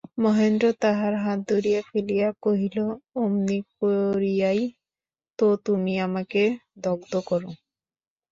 মহেন্দ্র তাহার হাত ধরিয়া ফেলিয়া কহিল, অমনি করিয়াই তো তুমি আমাকে দগ্ধ কর।